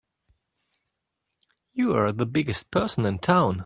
You're the biggest person in town!